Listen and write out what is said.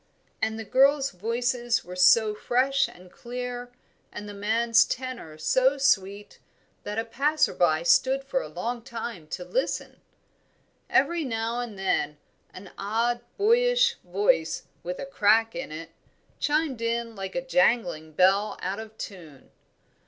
And the girls' voices were so fresh and clear, and the man's tenor so sweet, that a passer by stood for a long time to listen. Every now and then an odd boyish voice, with a crack in it, chimed in like a jangling bell out of tune.